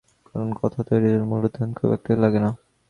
কারণ, কাঁথা তৈরির জন্য মূলধন খুব একটা লাগে না, লাগে পরিশ্রম।